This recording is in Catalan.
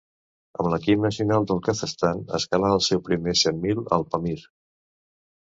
Amb l'equip nacional del Kazakhstan escalà el seu primer set mil al Pamir.